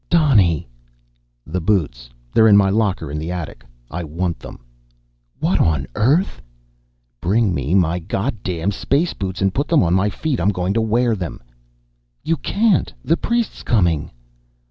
"Donny!" "The boots, they're in my locker in the attic. I want them." "What on earth!" "Bring me my goddam space boots and put them on my feet. I'm going to wear them." "You can't; the priest's coming."